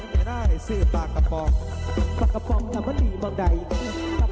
น่ารักมาก